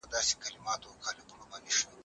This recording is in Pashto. فساد د ژوند نظم خرابوي.